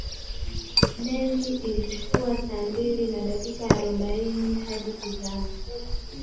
meli ilichukua saa mbili na dakika arobaini hadi kuzama